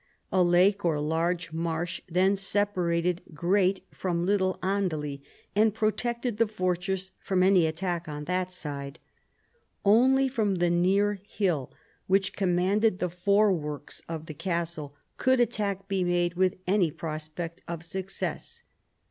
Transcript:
A lake or large marsh then separated Great from Little Andely, and protected the fortress from any attack on that side. Only from the near hill, which commanded the foreworks of the castle, could attack be made with any prospect of success.